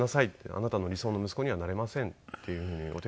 「あなたの理想の息子にはなれません」っていうふうにお手紙を書いて。